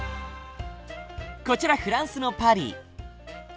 こちらフランスのパリ。